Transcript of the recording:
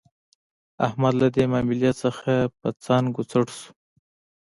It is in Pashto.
احمد له دې ماملې څخه په څنګ و څټ شو.